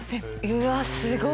うわすごい！